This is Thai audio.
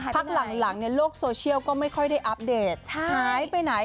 พักหลังโลกโซเชียลก็ไม่ค่อยได้อัปเดตหายไปไหน